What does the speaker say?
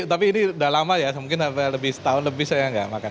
tapi ini udah lama ya mungkin lebih setahun lebih saya nggak makan